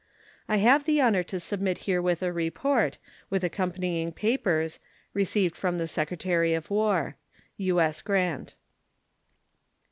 I have the honor to submit herewith a report, with accompanying papers, received from the Secretary of War. U.S. GRANT.